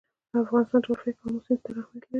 د افغانستان جغرافیه کې آمو سیند ستر اهمیت لري.